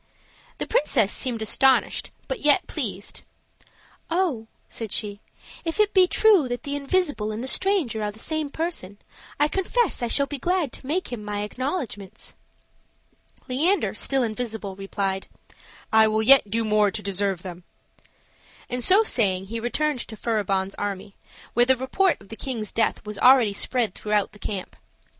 The princess seemed astonished, but yet pleased. "Oh," said she, "if it be true that the invisible and the stranger are the same person, I confess I shall be glad to make him my acknowledgments." Leander, still invisible, replied, "I will yet do more to deserve them;" and so saying he returned to Furibon's army, where the report of the king's death was already spread throughout the camp.